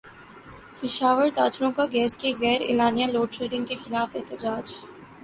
پشاور تاجروں کا گیس کی غیر اعلانیہ لوڈشیڈنگ کیخلاف احتجاج